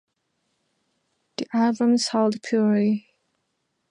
The album sold poorly.